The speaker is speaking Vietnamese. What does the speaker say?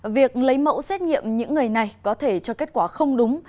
việc lấy mẫu xét nghiệm những người này có thể cho kết quả không đúng